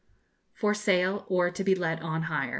FOR SALE, OR TO BE LET ON Hire.